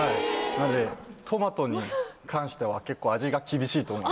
なのでトマトに関しては結構味が厳しいと思う。